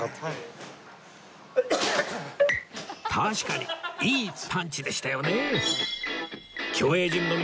確かにいいパンチでしたよね！